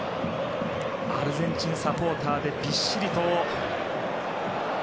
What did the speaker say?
アルゼンチンサポーターでびっしりと。